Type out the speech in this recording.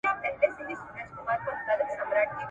هم په غره هم په ځنګله کي وو ښاغلی `